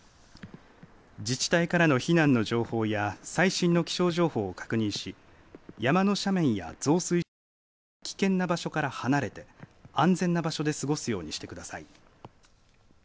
自治体からの避難の情報や最新の気象情報を確認し山の斜面や増水した川など危険な場所から離れて安全な場所で過ごすようにしてください。